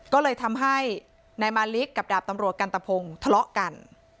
ก็เลยทำให้นายมาลิกกับดาบตำรวจกันตะพงทะเลาะกัน